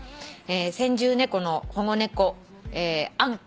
「先住猫の保護猫アンコ」